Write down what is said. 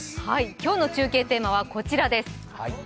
今日の中継テーマはこちらです。